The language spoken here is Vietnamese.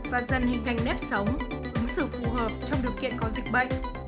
và dần hình canh nếp sống ứng xử phù hợp trong điều kiện có dịch bệnh